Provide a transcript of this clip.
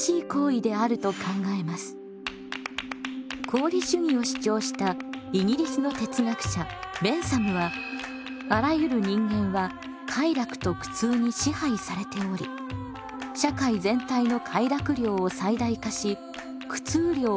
功利主義を主張したイギリスの哲学者ベンサムはあらゆる人間は快楽と苦痛に支配されており社会全体の快楽量を最大化し苦痛量を最小化するのが「正しい」